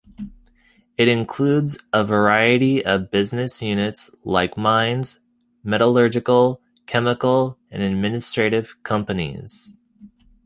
It includes a variety of business units like mines, metallurgical, chemical and administrative companies.